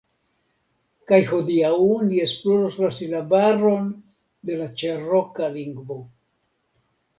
Kaj hodiaŭ ni esploros la silabaron de la Ĉeroka lingvo